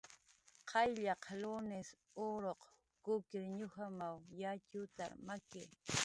Qayllaq lunis uruq kukirñujamaw yatxutar maki